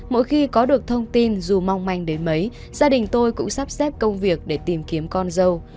mỗi khi có được thông tin dù mong manh đến mấy gia đình tôi cũng sắp xếp công việc để tìm kiếm con dâu